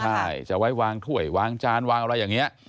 ใช่จะไว้วางถ้วยวางจานวางอะไรอย่างนี้